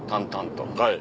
はい。